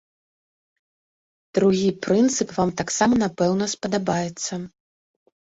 Другі прынцып вам таксама напэўна спадабаецца.